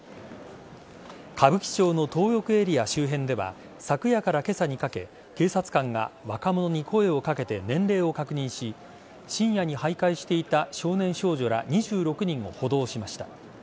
歌舞伎町のトー横エリア周辺では昨夜から今朝にかけて警察官が若者に声を掛けて年齢を確認し深夜に徘徊していた少年少女ら２６人を補導しました。